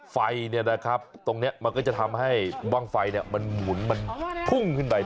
ไฟเนี่ยนะครับตรงเนี้ยมันก็จะทำให้บ้างไฟเนี่ยมันหมุนมันพุ่งขึ้นไป